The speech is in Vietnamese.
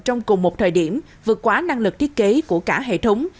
trong cùng một thời điểm vượt quá năng lực thiết kế của cả hệ thống